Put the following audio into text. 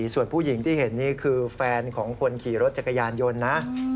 ส่วนผู้หญิงที่เห็นนี่คือแฟนของคนขี่รถจักรยานยนต์นะ